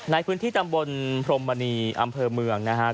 ในพื้นที่ตำบลพรมมณีอำเภอเมืองนะครับ